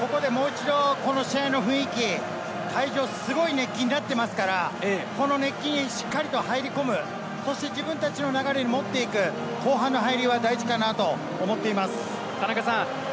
ここでもう一度、この試合の雰囲気、会場、すごい熱気になっていますから、この熱気にしっかりと入り込む、そして自分たちの流れに持っていく、後半の入りは大事かなと思っています。